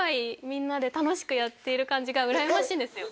みんなで楽しくやっている感じがうらやましいんですよ